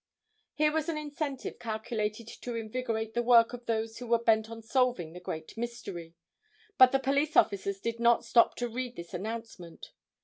Here was an incentive calculated to invigorate the work of those who were bent on solving the great mystery. But the police officers did not stop to read this announcement.